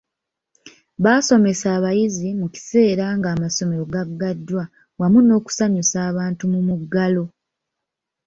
Baasomesa abayizi mu kiseera ng'amasomero gaggaddwa wamu n'okusanyusa abantu mu muggalo